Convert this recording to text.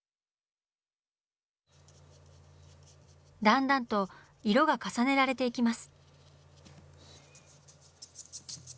だんだんと色が重ねられていきます。